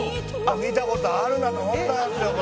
「見た事あるなと思ったんですよ」